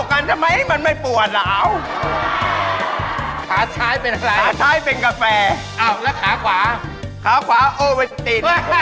โปรดติดตามตอนต่อไป